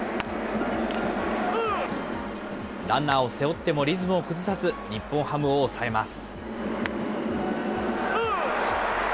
ランナーを背負ってもリズムを崩さず、日本ハムを抑えます。